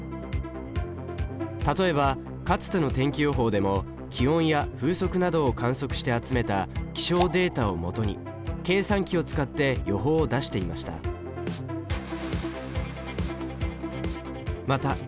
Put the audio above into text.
例えばかつての天気予報でも気温や風速などを観測して集めた気象データをもとに計算機を使って予報を出していました。